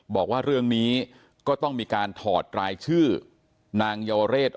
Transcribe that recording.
บอกว่าเรื่องนี้ก็ต้องมีการถอดรายชื่อนางเยาวเรศ